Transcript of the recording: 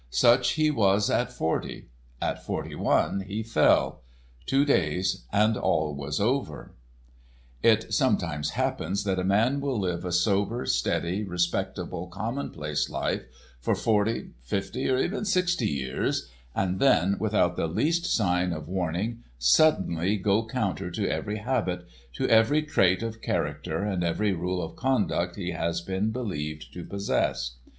Such he was at forty. At forty one he fell. Two days and all was over. It sometimes happens that a man will live a sober, steady, respectable, commonplace life for forty, fifty or even sixty years, and then, without the least sign of warning, suddenly go counter to every habit, to every trait of character and every rule of conduct he has been believed to possess.